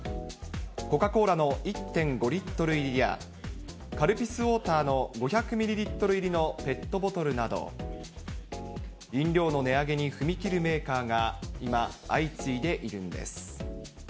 コカ・コーラの１．５リットル入りや、カルピスウォーターの５００ミリリットル入りのペットボトルなど、飲料の値上げに踏み切るメーカーが今、相次いでいるんです。